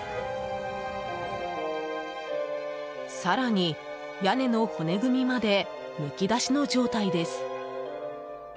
更に屋根の骨組みまでむき出しの状態です。